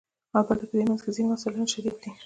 البته په دې منځ کې ځینې مثالونه شدید دي.